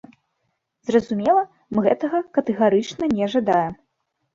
Зразумела, мы гэтага катэгарычна не жадаем.